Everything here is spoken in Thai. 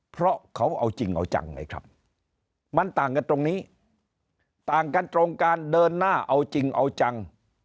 เพราะเขาเอาจริงเอาจังไงครับมันต่างกันตรงนี้ต่างกันตรงการเดินหน้าเอาจริงเอาจัง